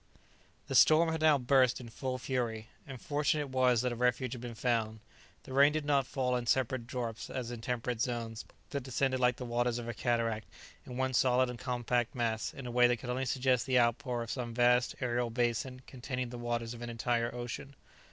The storm had now burst in full fury, and fortunate it was that a refuge had been found. The rain did not fall in separate drops as in temperate zones, but descended like the waters of a cataract, in one solid and compact mass, in a way that could only suggest the outpour of some vast aerial basin containing the waters of an entire ocean.